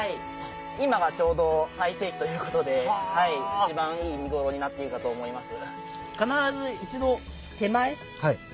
今がちょうど最盛期ということで一番いい実頃になっているかと思います。